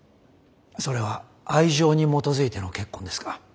それは愛情に基づいての結婚ですか？